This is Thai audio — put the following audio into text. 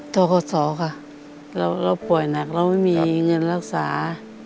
ทกศค่ะเราป่วยหนักเราไม่มีเงินรักษา